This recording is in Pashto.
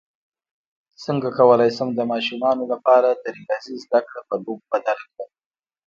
څنګه کولی شم د ماشومانو لپاره د ریاضي زدکړه په لوبو بدله کړم